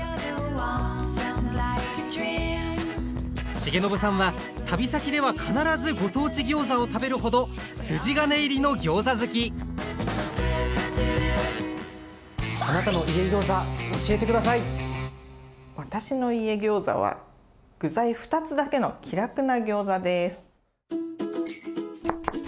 重信さんは旅先では必ずご当地ギョーザを食べるほど筋金入りのギョーザ好き私の「家ギョーザ」は具材２つだけの気楽なギョーザです！